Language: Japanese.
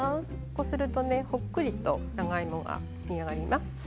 こうするとほっくりと長芋が煮上がります。